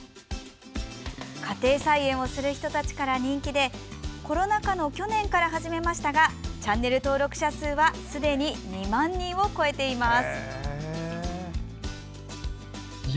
家庭菜園をする人から人気でコロナ禍の去年から始めましたがチャンネル登録者数はすでに２万人を超えています。